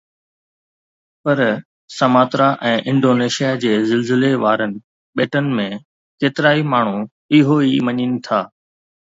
پر Sumatra ۽ Indonesia جي زلزلي وارن ٻيٽن ۾ ڪيترائي ماڻھو اھو ئي مڃين ٿا